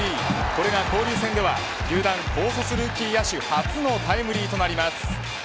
これが交流戦では球団高卒ルーキー野手初のタイムリーとなります。